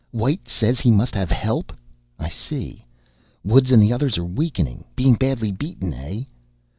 White says he must have help. I see. Woods and the others are weakening. Being badly beaten, eh?...